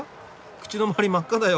口のまわり真っ赤だよ。